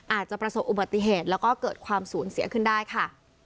อาจจะประสบอุบัติเหตุแล้วก็เกิดความสูญเสียขึ้นได้ค่ะ